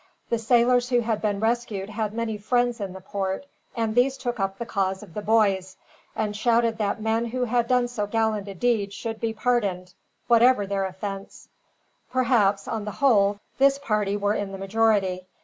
The sailors who had been rescued had many friends in the port, and these took up the cause of the boys, and shouted that men who had done so gallant a deed should be pardoned, whatever their offense Perhaps, on the whole, this party were in the majority.